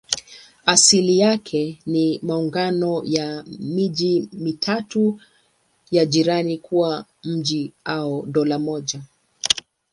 Asili yake ni maungano ya miji mitatu ya jirani kuwa mji au dola moja.